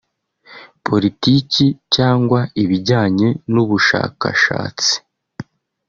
politiki cyangwa ibijyanye n’ubushakashatsi